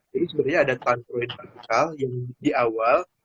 jadi sebenarnya ada time truing partikel yang di awal